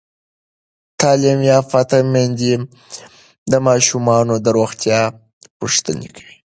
تعلیم یافته میندې د ماشومانو د روغتیا پوښتنې کوي.